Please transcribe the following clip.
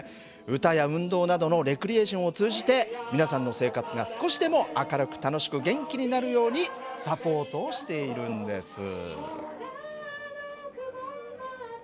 歌や運動などのレクリエーションを通じて皆さんの生活が少しでも明るく楽しく元気になるようにサポートをしているんです。